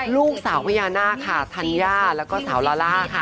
ลูกสาวพญานาคค่ะธัญญาแล้วก็สาวลาล่าค่ะ